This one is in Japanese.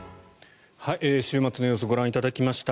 週末の様子ご覧いただきました。